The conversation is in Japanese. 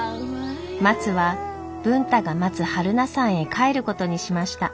まつは文太が待つ榛名山へ帰ることにしました。